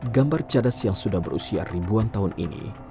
gambar cadas yang sudah berusia ribuan tahun ini